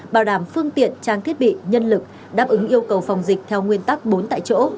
bảo đảm phương tiện trang thiết bị nhân lực đáp ứng yêu cầu phòng dịch theo nguyên tắc bốn tại chỗ